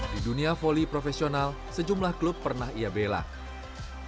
di dunia foli profesional sejumlah klub pernah ia belak